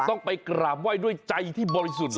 ต้องไปกราบไหว้ด้วยใจที่บริสุทธิ์